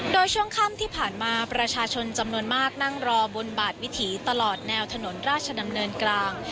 โดยช่วงค่ำที่ผ่านมาประชาชนจำนวนมากนั่งรอบนบาทวิถีตลอดแนวถนนราชดำเนินกลาง